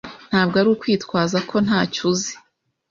Ntabwo ari ukwitwaza ko ntacyo uzi.